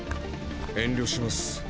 遠慮します。